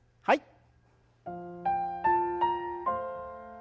はい。